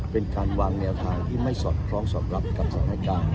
เป็นการวางแนวทางที่ไม่สอดคล้องสอดรับกับสถานการณ์